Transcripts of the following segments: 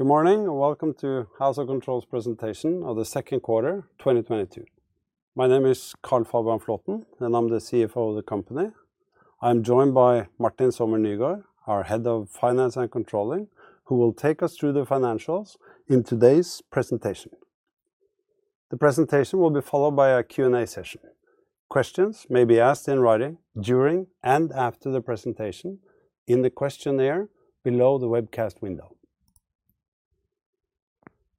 Good morning and welcome to House of Control's presentation of the Q2 2022. My name is Carl Fabian Flaaten, and I'm the CFO of the company. I'm joined by Martin Sommer Nygaard, our Head of Finance and Controlling, who will take us through the financials in today's presentation. The presentation will be followed by a Q&A session. Questions may be asked in writing during and after the presentation in the questionnaire below the webcast window.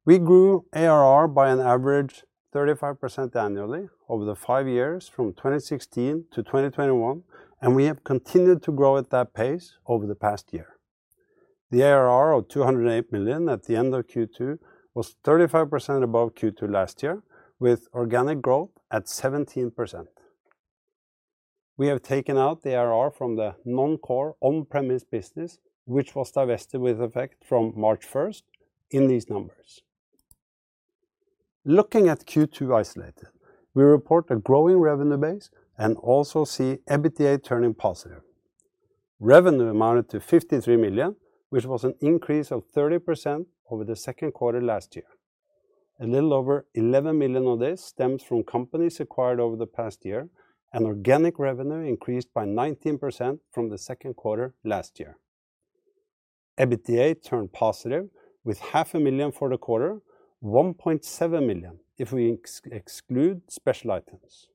We grew ARR by an average 35% annually over the five years from 2016 to 2021, and we have continued to grow at that pace over the past year. The ARR of 208 million at the end of Q2 was 35% above Q2 last year, with organic growth at 17%. We have taken out the ARR from the non-core on-premise business, which was divested with effect from March 1st in these numbers. Looking at Q2 isolated, we report a growing revenue base and also see EBITDA turning positive. Revenue amounted to 53 million, which was an increase of 30% over the Q2 last year. A little over 11 million of this stems from companies acquired over the past year, and organic revenue increased by 19% from the Q2 last year. EBITDA turned positive with NOK half a million for the quarter, 1.7 million if we exclude special items.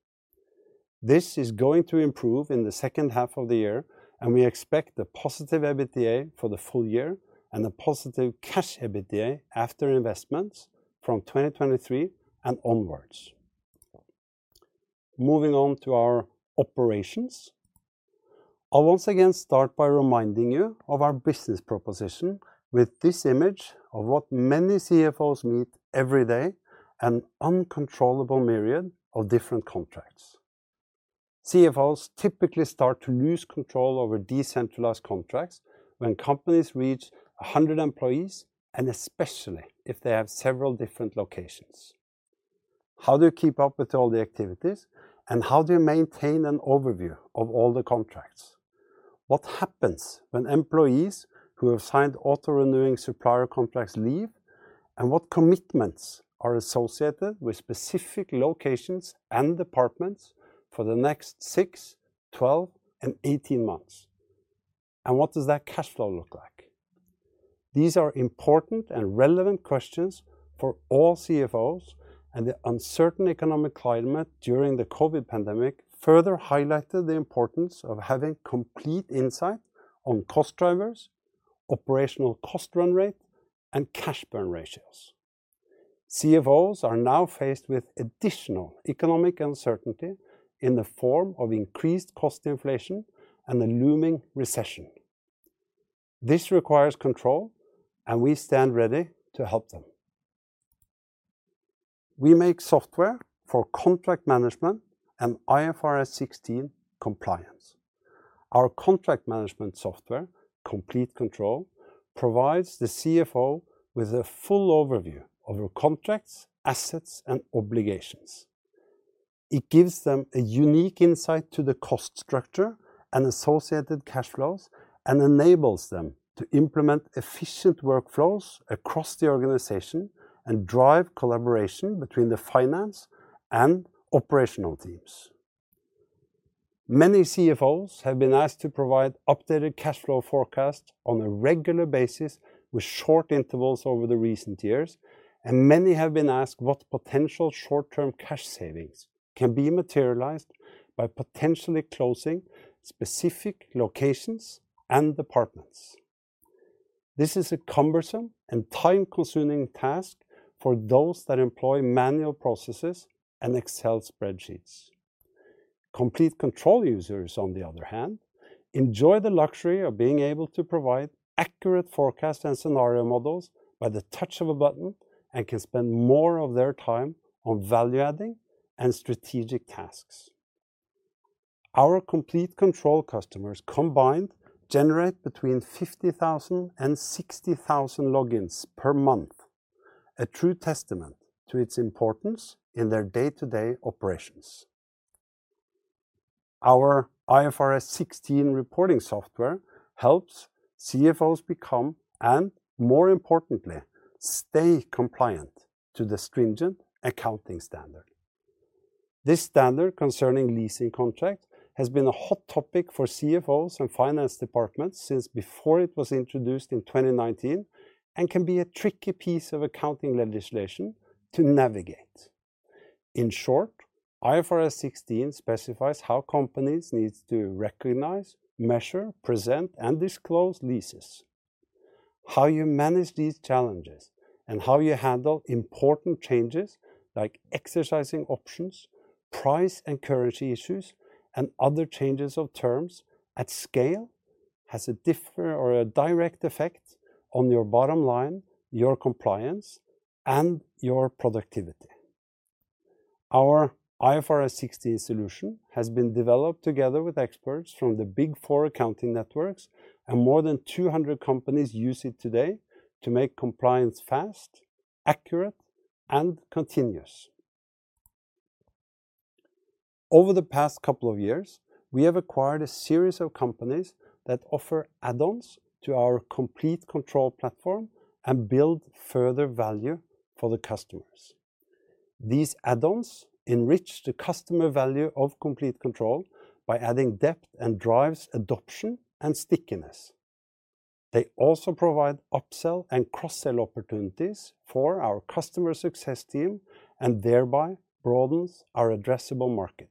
This is going to improve in the second half of the year, and we expect a positive EBITDA for the full year and a positive cash EBITDA after investments from 2023 and onwards. Moving on to our operations. I'll once again start by reminding you of our business proposition with this image of what many CFOs meet every day, an uncontrollable myriad of different contracts. CFOs typically start to lose control over decentralized contracts when companies reach 100 employees, and especially if they have several different locations. How do you keep up with all the activities, and how do you maintain an overview of all the contracts? What happens when employees who have signed auto-renewing supplier contracts leave, and what commitments are associated with specific locations and departments for the next 6, 12, and 18 months? What does that cash flow look like? These are important and relevant questions for all CFOs and the uncertain economic climate during the COVID pandemic further highlighted the importance of having complete insight on cost drivers, operational cost run rate, and cash burn ratios. CFOs are now faced with additional economic uncertainty in the form of increased cost inflation and a looming recession. This requires control, and we stand ready to help them. We make software for contract management and IFRS 16 compliance. Our contract management software, Complete Control, provides the CFO with a full overview of your contracts, assets, and obligations. It gives them a unique insight to the cost structure and associated cash flows and enables them to implement efficient workflows across the organization and drive collaboration between the finance and operational teams. Many CFOs have been asked to provide updated cash flow forecasts on a regular basis with short intervals over the recent years, and many have been asked what potential short-term cash savings can be materialized by potentially closing specific locations and departments. This is a cumbersome and time-consuming task for those that employ manual processes and Excel spreadsheets. Complete Control users, on the other hand, enjoy the luxury of being able to provide accurate forecast and scenario models by the touch of a button and can spend more of their time on value-adding and strategic tasks. Our Complete Control customers combined generate between 50,000 and 60,000 logins per month, a true testament to its importance in their day-to-day operations. Our IFRS 16 reporting software helps CFOs become, and more importantly, stay compliant to the stringent accounting standard. This standard concerning leasing contracts has been a hot topic for CFOs and finance departments since before it was introduced in 2019 and can be a tricky piece of accounting legislation to navigate. In short, IFRS 16 specifies how companies need to recognize, measure, present, and disclose leases. How you manage these challenges and how you handle important changes like exercising options, price and currency issues, and other changes of terms at scale has a direct effect on your bottom line, your compliance, and your productivity. Our IFRS 16 solution has been developed together with experts from the Big Four accounting networks, and more than 200 companies use it today to make compliance fast, accurate, and continuous. Over the past couple of years, we have acquired a series of companies that offer add-ons to our Complete Control platform and build further value for the customers. These add-ons enrich the customer value of Complete Control by adding depth and drives adoption and stickiness. They also provide upsell and cross-sell opportunities for our customer success team, and thereby broadens our addressable market.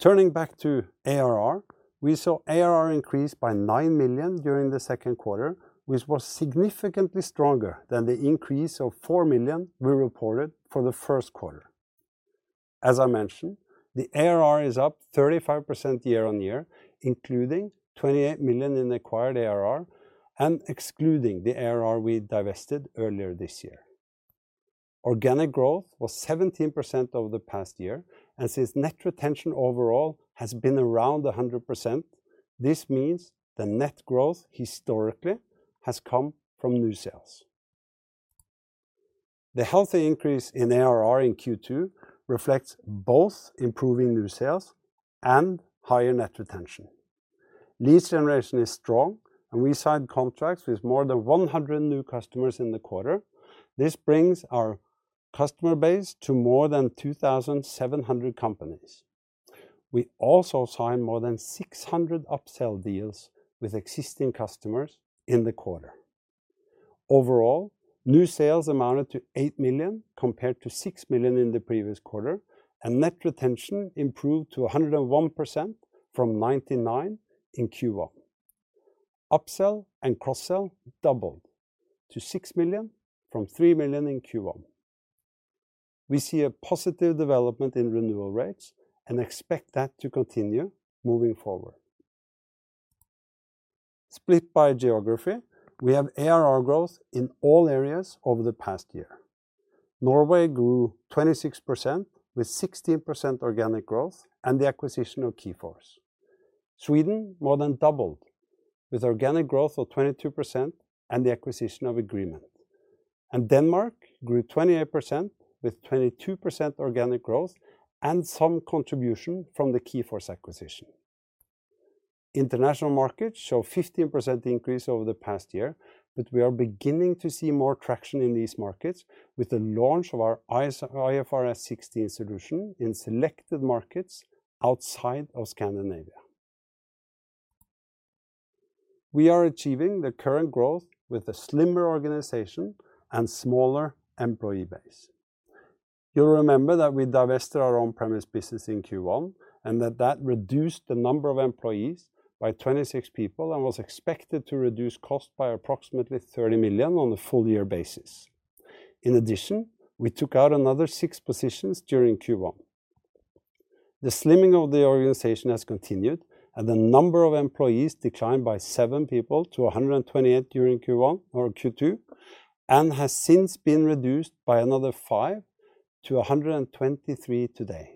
Turning back to ARR, we saw ARR increase by 9 million during the Q2, which was significantly stronger than the increase of 4 million we reported for the Q1. As I mentioned, the ARR is up 35% year-on-year, including 28 million in acquired ARR and excluding the ARR we divested earlier this year. Organic growth was 17% over the past year, and since net retention overall has been around 100%, this means the net growth historically has come from new sales. The healthy increase in ARR in Q2 reflects both improving new sales and higher net retention. Lead generation is strong, and we signed contracts with more than 100 new customers in the quarter. This brings our customer base to more than 2,700 companies. We also signed more than 600 upsell deals with existing customers in the quarter. Overall, new sales amounted to 8 million, compared to 6 million in the previous quarter, and net retention improved to 101% from 99% in Q1. Upsell and cross-sell doubled to 6 million from 3 million in Q1. We see a positive development in renewal rates and expect that to continue moving forward. Split by geography, we have ARR growth in all areas over the past year. Norway grew 26% with 16% organic growth and the acquisition of Keyforce. Sweden more than doubled with organic growth of 22% and the acquisition of Egreement. Denmark grew 28% with 22% organic growth and some contribution from the Keyforce acquisition. International markets show 15% increase over the past year, but we are beginning to see more traction in these markets with the launch of our IFRS 16 solution in selected markets outside of Scandinavia. We are achieving the current growth with a slimmer organization and smaller employee base. You'll remember that we divested our on-premise business in Q1, and that reduced the number of employees by 26 people and was expected to reduce costs by approximately 30 million on a full year basis. In addition, we took out another 6 positions during Q1. The slimming of the organization has continued, and the number of employees declined by 7 people to 128 during Q1 or Q2 and has since been reduced by another 5 to 123 today.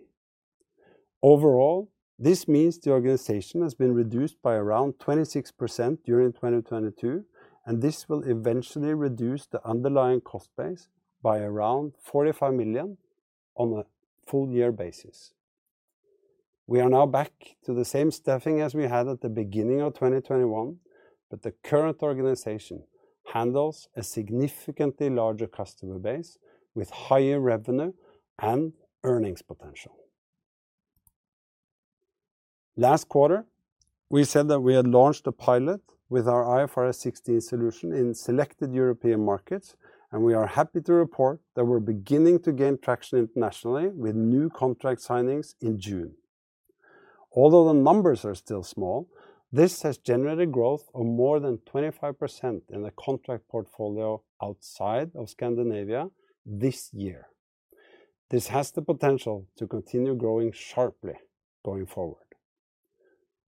Overall, this means the organization has been reduced by around 26% during 2022, and this will eventually reduce the underlying cost base by around 45 million on a full year basis. We are now back to the same staffing as we had at the beginning of 2021, but the current organization handles a significantly larger customer base with higher revenue and earnings potential. Last quarter, we said that we had launched a pilot with our IFRS 16 solution in selected European markets, and we are happy to report that we're beginning to gain traction internationally with new contract signings in June. Although the numbers are still small, this has generated growth of more than 25% in the contract portfolio outside of Scandinavia this year. This has the potential to continue growing sharply going forward.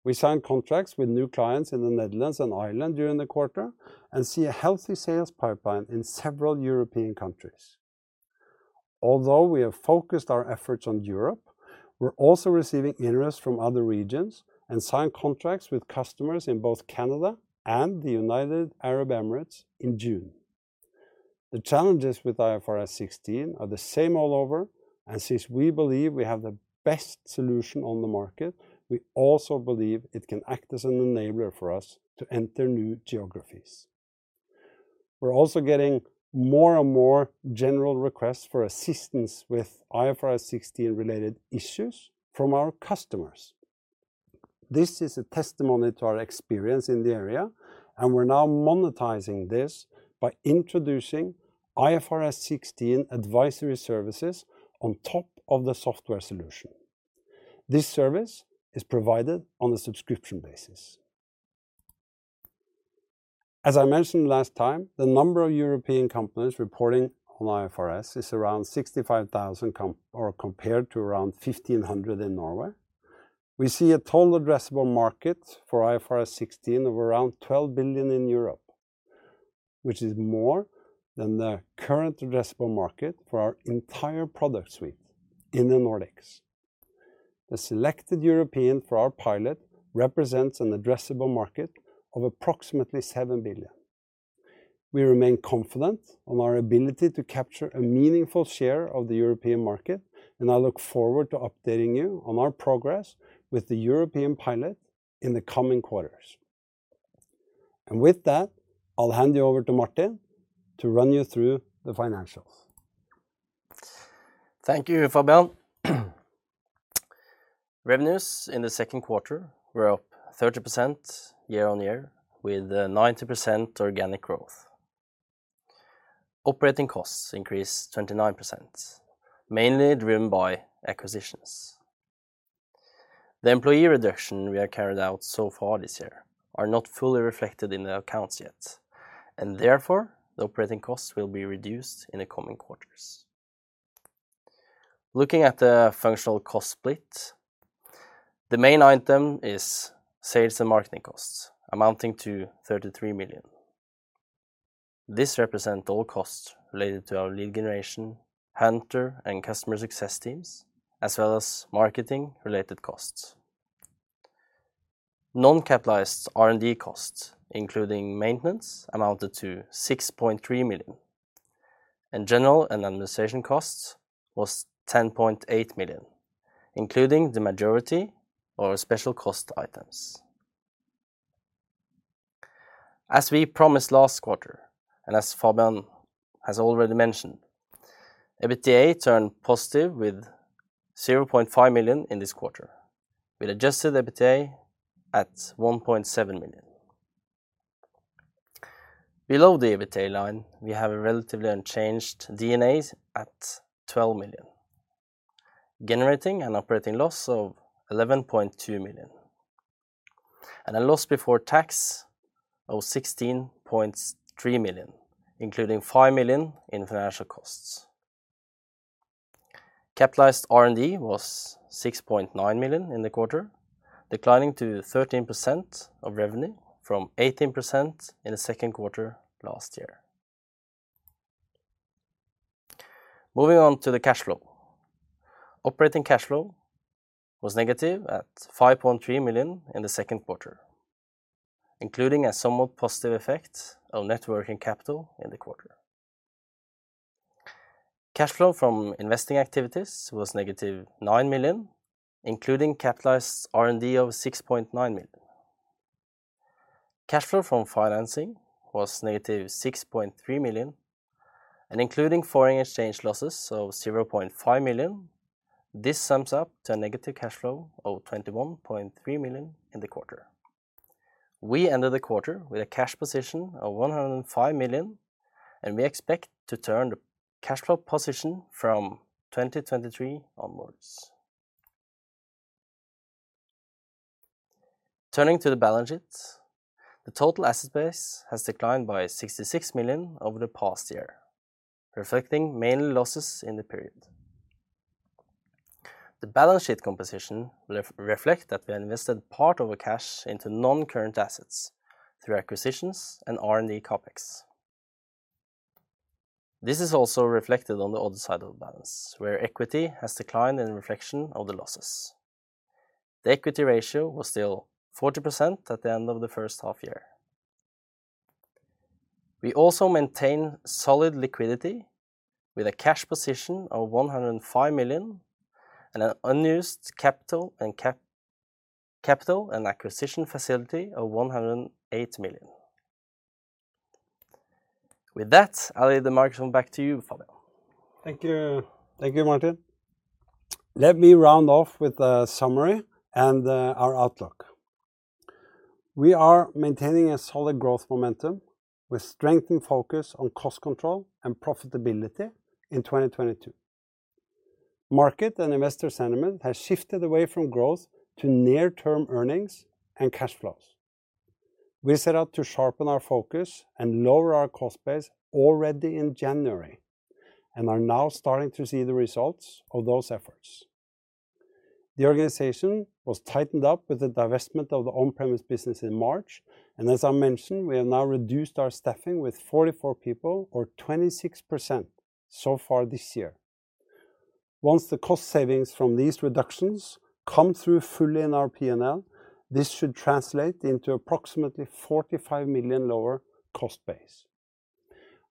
We signed contracts with new clients in the Netherlands and Ireland during the quarter and see a healthy sales pipeline in several European countries. Although we have focused our efforts on Europe, we're also receiving interest from other regions and signed contracts with customers in both Canada and the United Arab Emirates in June. The challenges with IFRS 16 are the same all over, and since we believe we have the best solution on the market, we also believe it can act as an enabler for us to enter new geographies. We're also getting more and more general requests for assistance with IFRS 16 related issues from our customers. This is a testimony to our experience in the area, and we're now monetizing this by introducing IFRS 16 advisory services on top of the software solution. This service is provided on a subscription basis. As I mentioned last time, the number of European companies reporting on IFRS is around 65,000 compared to around 1,500 in Norway. We see a total addressable market for IFRS 16 of around 12 billion in Europe, which is more than the current addressable market for our entire product suite in the Nordics. The selected European for our pilot represents an addressable market of approximately 7 billion. We remain confident on our ability to capture a meaningful share of the European market, and I look forward to updating you on our progress with the European pilot in the coming quarters. With that, I'll hand you over to Martin to run you through the financials. Thank you, Fabian. Revenues in the Q2 were up 30% year-on-year with 90% organic growth. Operating costs increased 29%, mainly driven by acquisitions. The employee reduction we have carried out so far this year is not fully reflected in the accounts yet, and therefore, the operating costs will be reduced in the coming quarters. Looking at the functional cost split, the main item is sales and marketing costs amounting to 33 million. This represents all costs related to our lead generation, hunter and customer success teams, as well as marketing-related costs. Non-capitalized R&D costs, including maintenance, amounted to 6.3 million. General and administrative costs were 10.8 million, including the majority of our special cost items. As we promised last quarter, and as Fabian has already mentioned, EBITDA turned positive with 0.5 million in this quarter. We adjusted EBITDA at 1.7 million. Below the EBITDA line, we have a relatively unchanged D&A at 12 million, generating an operating loss of 11.2 million. A loss before tax of 16.3 million, including 5 million in financial costs. Capitalized R&D was 6.9 million in the quarter, declining to 13% of revenue from 18% in the Q2 last year. Moving on to the cash flow. Operating cash flow was negative at 5.3 million in the Q2, including a somewhat positive effect of net working capital in the quarter. Cash flow from investing activities was negative 9 million, including capitalized R&D of 6.9 million. Cash flow from financing was negative 6.3 million and including foreign exchange losses of 0.5 million. This sums up to a negative cash flow of 21.3 million in the quarter. We ended the quarter with a cash position of 105 million, and we expect to turn the cash flow position from 2023 onwards. Turning to the balance sheet. The total asset base has declined by 66 million over the past year, reflecting mainly losses in the period. The balance sheet composition reflect that we invested part of a cash into non-current assets through acquisitions and R&D CapEx. This is also reflected on the other side of the balance, where equity has declined in reflection of the losses. The equity ratio was still 40% at the end of the first half year. We also maintain solid liquidity with a cash position of 105 million and an unused capital and acquisition facility of 108 million. With that, I'll leave the microphone back to you, Fabian. Thank you. Thank you, Martin. Let me round off with a summary and our outlook. We are maintaining a solid growth momentum with strengthened focus on cost control and profitability in 2022. Market and investor sentiment has shifted away from growth to near-term earnings and cash flows. We set out to sharpen our focus and lower our cost base already in January, and are now starting to see the results of those efforts. The organization was tightened up with the divestment of the on-premise business in March, and as I mentioned, we have now reduced our staffing with 44 people or 26% so far this year. Once the cost savings from these reductions come through fully in our P&L, this should translate into approximately 45 million lower cost base.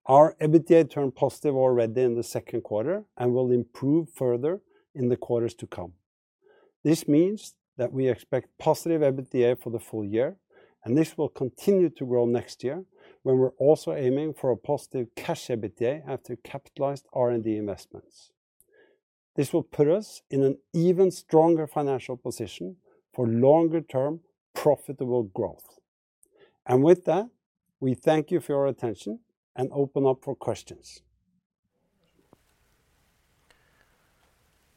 Our EBITDA turned positive already in the second quarter and will improve further in the quarters to come. This means that we expect positive EBITDA for the full year, and this will continue to grow next year, when we're also aiming for a positive cash EBITDA after capitalized R&D investments. This will put us in an even stronger financial position for longer-term profitable growth. With that, we thank you for your attention and open up for questions.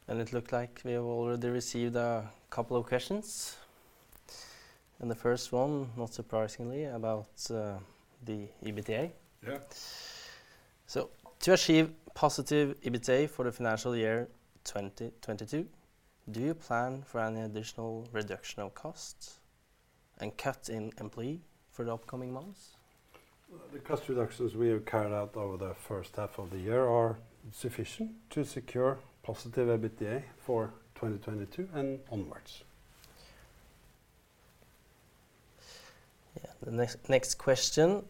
It looks like we have already received a couple of questions. The first one, not surprisingly, about the EBITDA. Yeah. To achieve positive EBITDA for the financial year 2022, do you plan for any additional reduction of costs and cut in employee for the upcoming months? The cost reductions we have carried out over the first half of the year are sufficient to secure positive EBITDA for 2022 and onwards. The next question: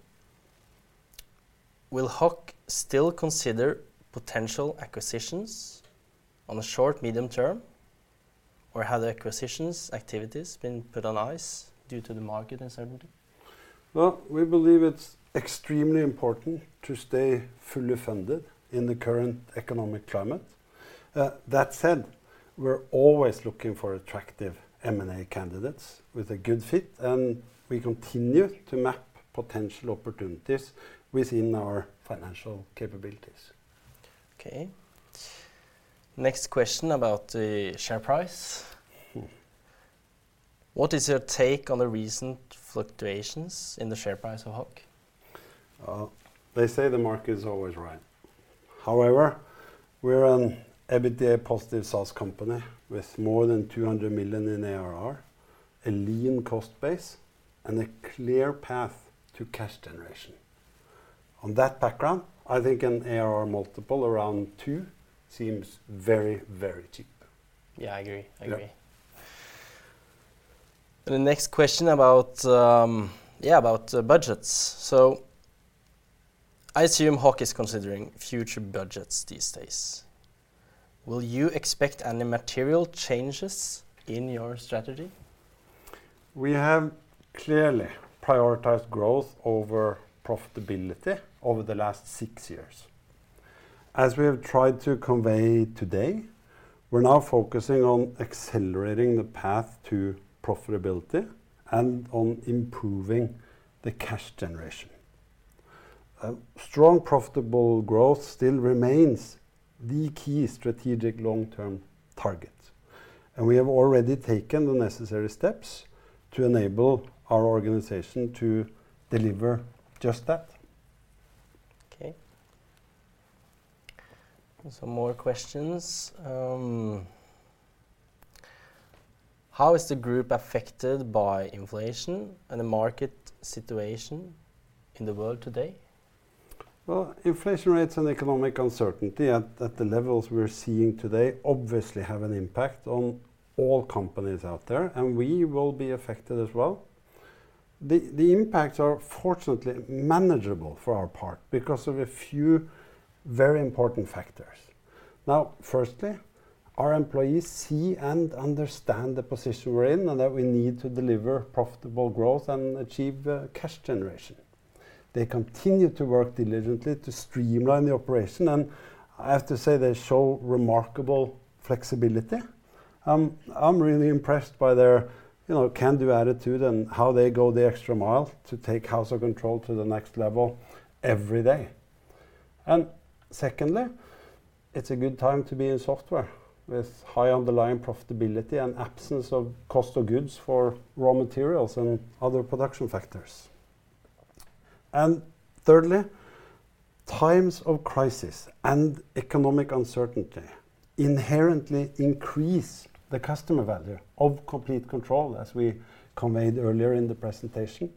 Will House of Control still consider potential acquisitions in the short, medium term? Or have the acquisitions activities been put on ice due to the market uncertainty? Well, we believe it's extremely important to stay fully funded in the current economic climate. That said, we're always looking for attractive M&A candidates with a good fit, and we continue to map potential opportunities within our financial capabilities. Okay. Next question about the share price. Hmm. What is your take on the recent fluctuations in the share price of House of Control? Well, they say the market is always right. However, we're an EBITDA positive SaaS company with more than 200 million in ARR, a lean cost base, and a clear path to cash generation. On that background, I think an ARR multiple around two seems very, very cheap. Yeah, I agree. Yeah. I agree. The next question about budgets. I assume House is considering future budgets these days. Will you expect any material changes in your strategy? We have clearly prioritized growth over profitability over the last six years. As we have tried to convey today, we're now focusing on accelerating the path to profitability and on improving the cash generation. Strong profitable growth still remains the key strategic long-term target, and we have already taken the necessary steps to enable our organization to deliver just that. Okay. Some more questions. How is the group affected by inflation and the market situation in the world today? Well, inflation rates and economic uncertainty at the levels we're seeing today obviously have an impact on all companies out there, and we will be affected as well. The impacts are fortunately manageable for our part because of a few very important factors. Now, firstly, our employees see and understand the position we're in and that we need to deliver profitable growth and achieve cash generation. They continue to work diligently to streamline the operation, and I have to say they show remarkable flexibility. I'm really impressed by their, you know, can-do attitude and how they go the extra mile to take House of Control to the next level every day. Secondly, it's a good time to be in software, with high underlying profitability and absence of cost of goods for raw materials and other production factors. Thirdly, times of crisis and economic uncertainty inherently increase the customer value of Complete Control, as we conveyed earlier in the presentation.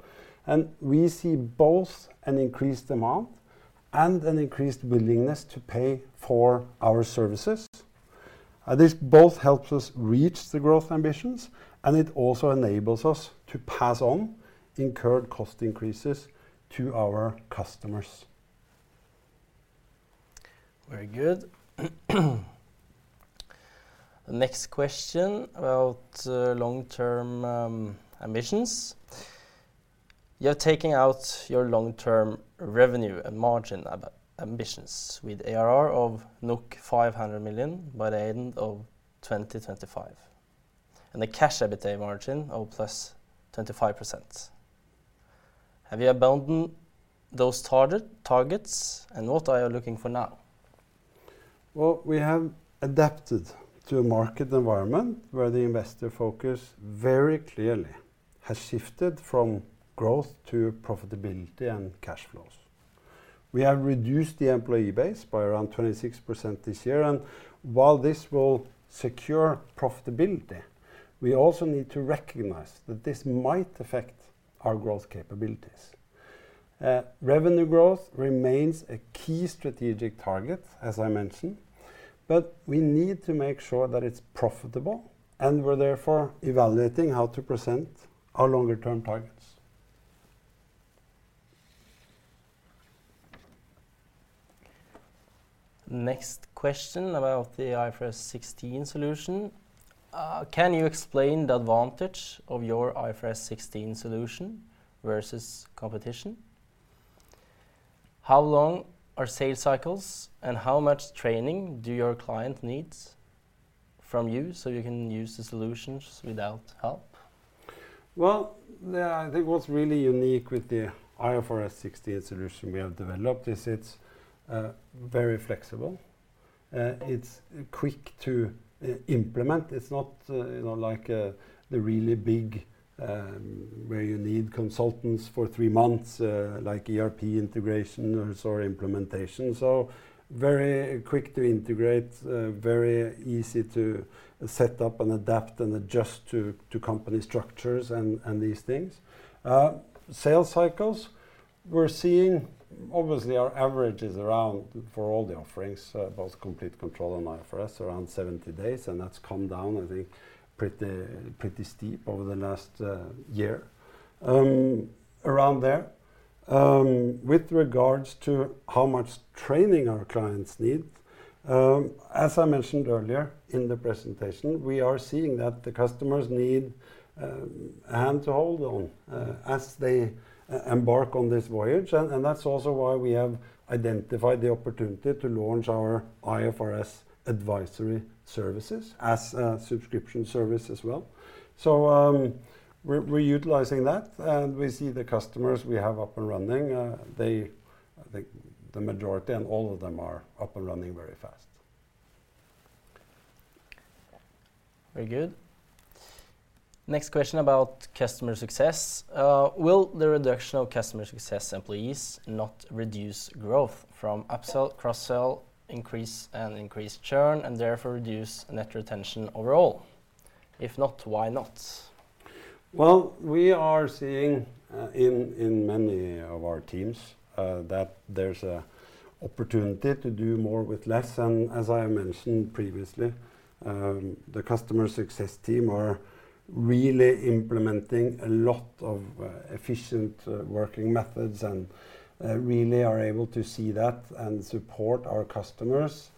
We see both an increased demand and an increased willingness to pay for our services. This both helps us reach the growth ambitions, and it also enables us to pass on incurred cost increases to our customers. Very good. Next question about long-term ambitions. You're taking out your long-term revenue and margin ambitions with ARR of 500 million by the end of 2025, and a Cash EBITDA margin of +25%. Have you abandoned those targets, and what are you looking for now? Well, we have adapted to a market environment where the investor focus very clearly has shifted from growth to profitability and cash flows. We have reduced the employee base by around 26% this year, and while this will secure profitability, we also need to recognize that this might affect our growth capabilities. Revenue growth remains a key strategic target, as I mentioned, but we need to make sure that it's profitable, and we're therefore evaluating how to present our longer-term targets. Next question about the IFRS 16 solution. Can you explain the advantage of your IFRS 16 solution versus competition? How long are sales cycles, and how much training do your clients need from you so they can use the solutions without help? Well, yeah, I think what's really unique with the IFRS 16 solution we have developed is it's very flexible. It's quick to implement. It's not, you know, like the really big where you need consultants for 3 months, like ERP integration or sorry, implementation. Very quick to integrate, very easy to set up and adapt and adjust to company structures and these things. Sales cycles, we're seeing obviously, our average is around, for all the offerings, both Complete Control and IFRS, around 70 days, and that's come down, I think, pretty steep over the last year, around there. With regards to how much training our clients need, as I mentioned earlier in the presentation, we are seeing that the customers need a hand to hold on as they embark on this voyage. That's also why we have identified the opportunity to launch our IFRS advisory services as a subscription service as well. We're utilizing that, and we see the customers we have up and running. I think the majority and all of them are up and running very fast. Very good. Next question about customer success. Will the reduction of customer success employees not reduce growth from upsell, cross-sell, increase, and increased churn, and therefore reduce net retention overall? If not, why not? Well, we are seeing in many of our teams that there's an opportunity to do more with less. As I mentioned previously, the customer success team are really implementing a lot of efficient working methods and really are able to see that and support our customers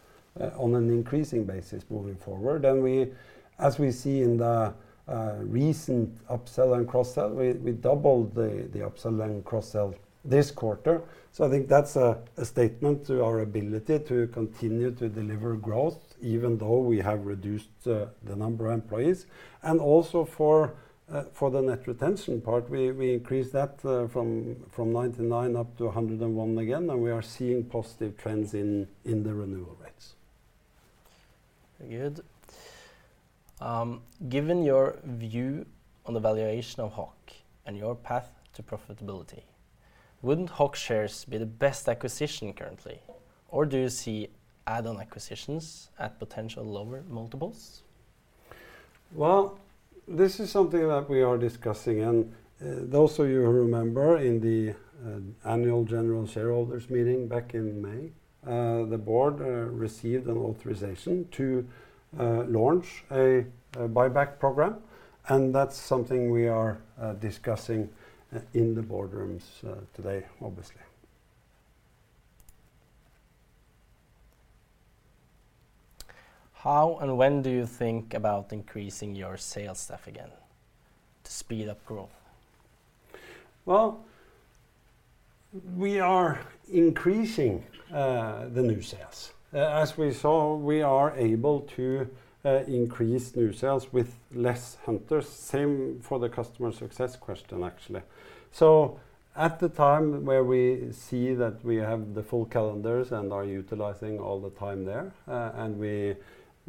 on an increasing basis moving forward. We, as we see in the recent upsell and cross-sell, doubled the upsell and cross-sell this quarter. I think that's a statement to our ability to continue to deliver growth even though we have reduced the number of employees. Also for the net retention part, we increased that from 99% up to 101% again, and we are seeing positive trends in the renewal rates. Very good. Given your view on the valuation of HOC and your path to profitability, wouldn't HOC shares be the best acquisition currently or do you see add-on acquisitions at potential lower multiples? Well, this is something that we are discussing, and those of you who remember in the annual general shareholders meeting back in May, the board received an authorization to launch a buyback program, and that's something we are discussing in the boardrooms today, obviously. How and when do you think about increasing your sales staff again to speed up growth? Well, we are increasing the new sales. As we saw, we are able to increase new sales with less hunters. Same for the customer success question, actually. At the time where we see that we have the full calendars and are utilizing all the time there, and we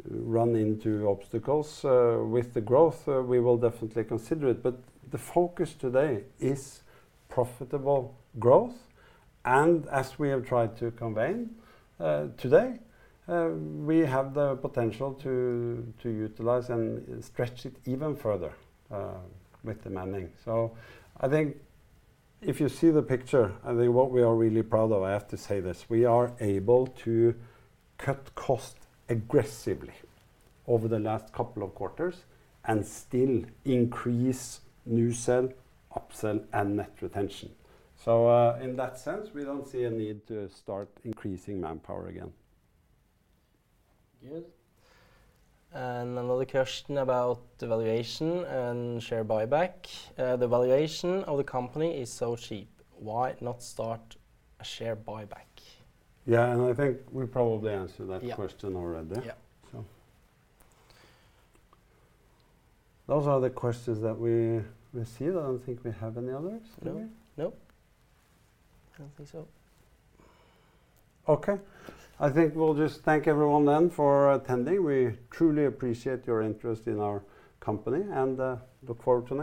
run into obstacles with the growth, we will definitely consider it. The focus today is profitable growth. As we have tried to convey today, we have the potential to utilize and stretch it even further with the manning. I think if you see the picture, I think what we are really proud of, I have to say this, we are able to cut costs aggressively over the last couple of quarters and still increase new sales, upsell, and net retention. in that sense, we don't see a need to start increasing manpower again. Good. Another question about the valuation and share buyback. The valuation of the company is so cheap. Why not start a share buyback? Yeah. I think we probably answered that question. Yeah already. Yeah. Those are the questions that we received. I don't think we have any others. Any? No. No. I don't think so. Okay. I think we'll just thank everyone then for attending. We truly appreciate your interest in our company and look forward to next-